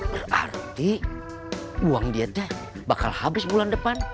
berarti uang dia dah bakal habis bulan depan